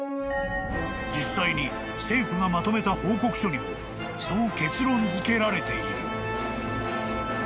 ［実際に政府がまとめた報告書にもそう結論づけられている］